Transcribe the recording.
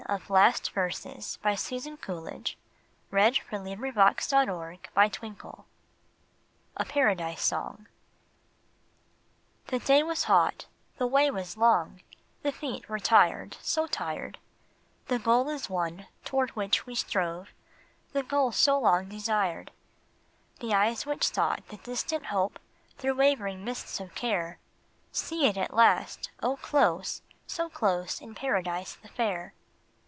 made glad, made free, Shalt thou not find at last thy sea ? 156 A PARADISE SONG A PARADISE SONG THE day was hot, the way was long, the feet were tired, so tired ; The goal is won toward which we strove, the goal so long desired, The eyes which sought the distant hope through waver ing mists of care, See it at last, oh close, so close in Paradise the Fair.